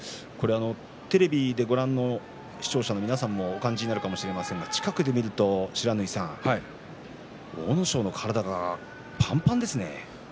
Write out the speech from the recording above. テレビをご覧の視聴者の皆さんもお感じになるかもしれませんが近くで見ると阿武咲の体がぱんぱんですね。